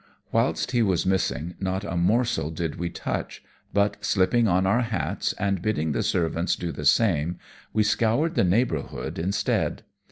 Whilst he was missing, not a morsel did we touch, but slipping on our hats, and bidding the servants do the same, we scoured the neighbourhood instead.